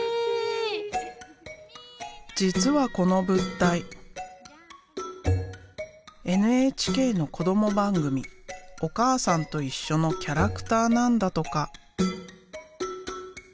実はこの物体ＮＨＫの子ども番組「おかあさんといっしょ」のキャラクターなんだとか。